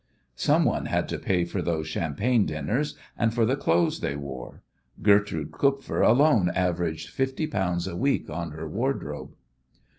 Some one had to pay for those champagne dinners, and for the clothes they wore. Gertrude Kupfer alone averaged fifty pounds a week on her wardrobe.